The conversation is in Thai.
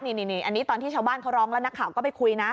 นี่อันนี้ตอนที่ชาวบ้านเขาร้องแล้วนักข่าวก็ไปคุยนะ